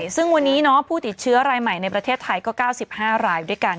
ซึ่งวันนี้ผู้ติดเชื้อรายใหม่ในประเทศไทยก็๙๕รายด้วยกัน